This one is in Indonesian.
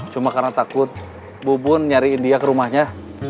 cuma karena takut bubun nyariin dia ke rumahnya